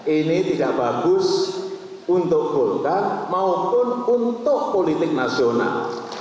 ini tidak bagus untuk golkar maupun untuk politik nasional